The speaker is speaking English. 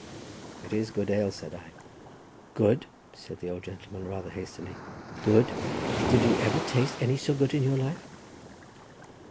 "It is good ale," said I. "Good," said the old gentleman rather hastily, "good; did you ever taste any so good in your life?"